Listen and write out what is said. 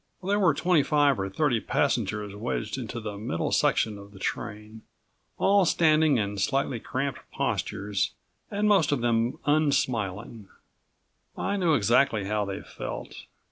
5 There were twenty five or thirty passengers wedged into the middle section of the train, all standing in slightly cramped postures and most of them unsmiling. I knew exactly how they felt.